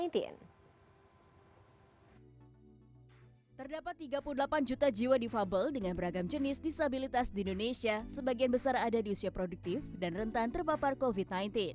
terdapat tiga puluh delapan juta jiwa difabel dengan beragam jenis disabilitas di indonesia sebagian besar ada di usia produktif dan rentan terpapar covid sembilan belas